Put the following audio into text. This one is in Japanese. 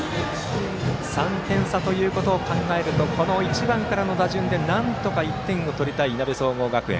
３点差ということを考えるとこの１番からの打順でなんとか１点を取りたいいなべ総合学園。